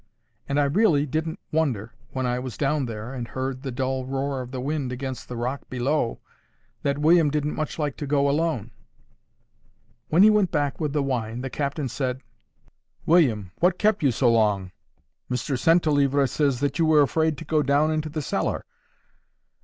And I really didn't wonder, when I was down there, and heard the dull roar of the wind against the rock below, that William didn't much like to go alone.—When he went back with the wine, the captain said, "William, what kept you so long? Mr Centlivre says that you were afraid to go down into the cellar."